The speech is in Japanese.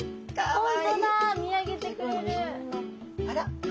あら？